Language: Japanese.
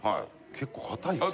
結構硬いですよ。